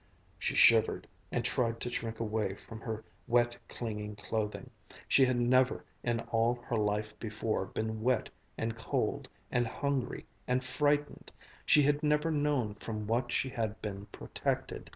She shivered and tried to shrink away from her wet, clinging clothing. She had never, in all her life before, been wet and cold and hungry and frightened, she had never known from what she had been protected.